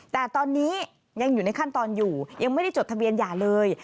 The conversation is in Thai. แต่ตอนนี้ยังอยู่ในขั้นตอนอยู่ยังไม่ได้จดทะเบียนหย่าเลย